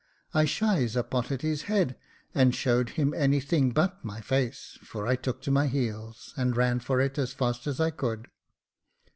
I shies a pot at his head, and showed him any thing but my face, for I took to my heels, and ran for it as fast as I could.